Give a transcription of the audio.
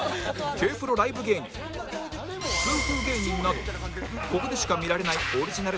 Ｋ−ＰＲＯ ライブ芸人痛風芸人などここでしか見られないオリジナル作品が４０作以上